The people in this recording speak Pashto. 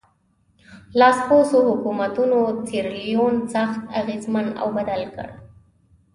لاسپوڅو حکومتونو سیریلیون سخت اغېزمن او بدل کړ.